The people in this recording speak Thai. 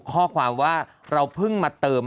ข้อความว่าเราเพิ่งมาเติม